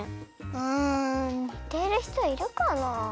うんにてるひといるかな？